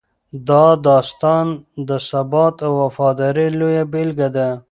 دا داستان د ثبات او وفادارۍ لویه بېلګه ده.